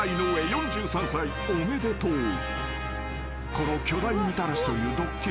［この巨大みたらしというドッキリ］